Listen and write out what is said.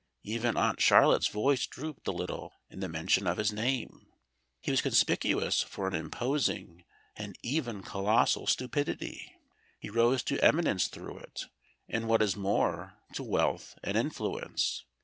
Even Aunt Charlotte's voice drooped a little in the mention of his name. He was conspicuous for an imposing and even colossal stupidity: he rose to eminence through it, and, what is more, to wealth and influence.